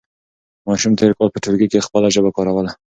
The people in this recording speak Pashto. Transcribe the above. ماشوم تېر کال په ټولګي کې خپله ژبه کاروله.